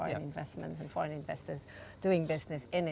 tantangan yang besar untuk pelabur luar indonesia